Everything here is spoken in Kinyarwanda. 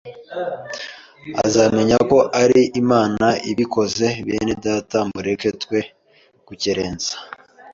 azamenya ko ari Imana ibikoze, bene data mureke twe gukerensa